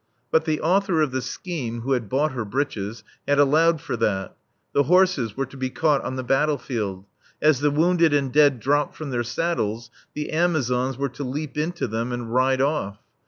But the author of the scheme who had bought her breeches had allowed for that. The horses were to be caught on the battle field; as the wounded and dead dropped from their saddles the Amazons were to leap into them and ride off.